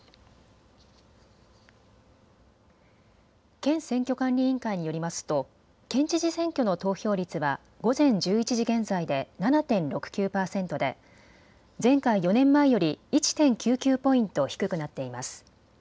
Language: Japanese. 県選挙管理委員会によりますと県知事選挙の投票率は午前１１時現在で７．６９％で前回４年前より１．９９ポイント低くなっています。